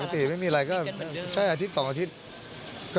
ติไม่มีอะไรก็ใช่อาทิตย์๒อาทิตย์